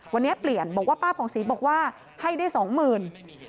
วันนี้เปลี่ยนบอกว่าป้าผ่องศรีบอกว่าให้ได้สองหมื่น